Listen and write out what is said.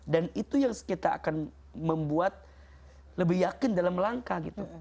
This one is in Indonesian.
dan itu yang kita akan membuat lebih yakin dalam langkah gitu